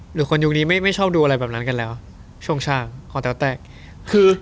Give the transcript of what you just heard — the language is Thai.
หรือคนยุคนี้ไม่ไม่ชอบดูอะไรแบบนั้นกันแล้วช่วงช่างคอแต้วแตกคือ